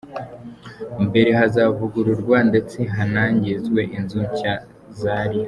mbere hazavugururwa ndetse hanarangizwe inzu nshya zari